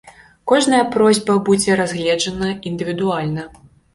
Кожная просьба будзе разгледжана індывідуальна.